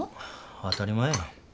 当たり前やん。